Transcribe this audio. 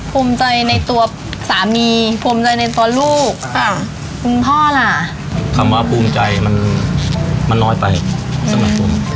ภูมิใจในตัวสามีภูมิใจในตัวลูกค่ะคุณพ่อล่ะคำว่าภูมิใจมันมันน้อยไปสำหรับผม